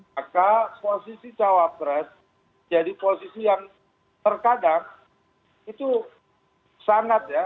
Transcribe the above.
maka posisi cawapres jadi posisi yang terkadang itu sangat ya